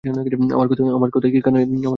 আমার কথা কি কানে যাচ্ছে না?